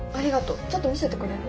ちょっと見せてくれる？